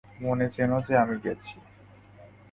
মনে জেন যে, আমি গেছি।